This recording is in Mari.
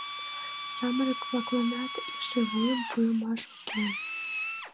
Самырык-влакланат эше вуйым пуымаш уке.